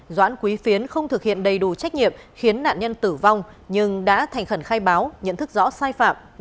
doãn quý phiến không thực hiện đầy đủ trách nhiệm khiến nạn nhân tử vong nhưng đã thành khẩn khai báo nhận thức rõ sai phạm